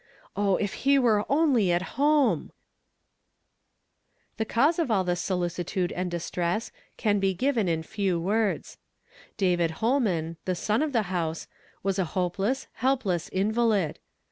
Oh, if he were only at home !" The cause of all this solicitude and distress can be given in few words. David liuhnan, the son of the house, was a hopeless, helpless invalid.